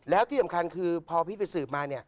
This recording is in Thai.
แล้วที่สำคัญคือพอพี่ไปสืบมา